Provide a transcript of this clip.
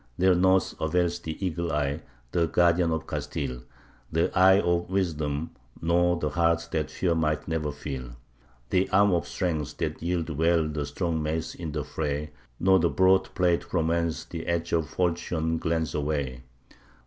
There naught avails the Eagle eye, the guardian of Castile, The eye of wisdom, nor the heart that fear might never feel, The arm of strength that wielded well the strong mace in the fray, Nor the broad plate from whence the edge of falchion glance away.